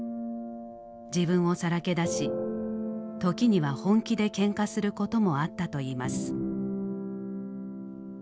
自分をさらけ出し時には本気でケンカすることもあったといいます。